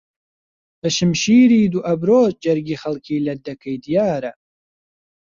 بەشمشیری دوو ئەبرۆت جەرگی خەڵکی لەت دەکەی دیارە